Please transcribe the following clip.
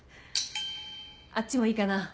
あっちもいいかな？